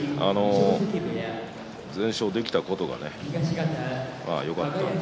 全勝できたことがよかったと。